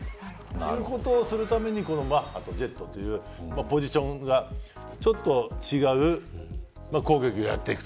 ということをするためにマッハとジェットというポジションがちょっと違う攻撃をやっていく。